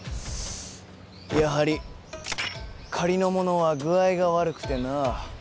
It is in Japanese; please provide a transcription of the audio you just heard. やはり仮のものは具合が悪くてな。